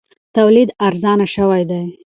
تولید ارزانه شوی دی.